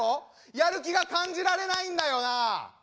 やる気が感じられないんだよな。